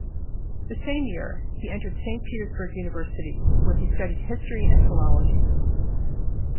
The same year he entered Saint Petersburg University, where he studied history and philology.